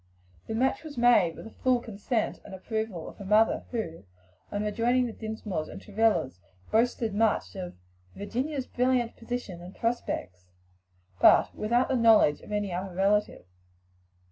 The match was made with the full consent and approval of her mother who, on rejoining the Dinsmores and Travillas, boasted much of "Virginia's brilliant position and prospects" but without the knowledge of any other relative.